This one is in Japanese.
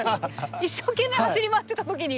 一生懸命走り回ってた時に。